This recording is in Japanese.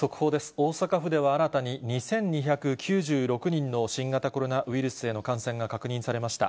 大阪府では新たに２２９６人の新型コロナウイルスへの感染が確認されました。